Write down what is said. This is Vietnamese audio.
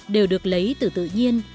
đều được lấy từ tự nhiên